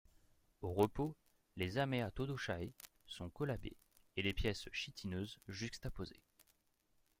Au repos, les haematodochae sont collabées et les pièces chitineuses juxtaposées.